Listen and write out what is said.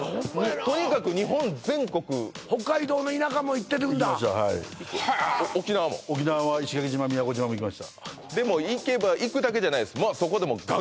とにかく日本全国行ってるんだ沖縄は石垣島宮古島も行きましたでも行けば行くだけじゃないです